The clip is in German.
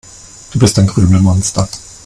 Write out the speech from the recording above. Du bist ein Krümelmonster.